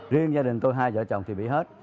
riêng gia đình tôi hai vợ chồng thì bị hết